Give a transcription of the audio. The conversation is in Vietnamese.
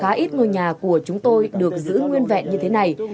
bản còn khá ít ngôi nhà của chúng tôi được giữ nguyên vẹn như thế này